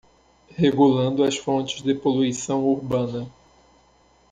Regulando as fontes de poluição urbana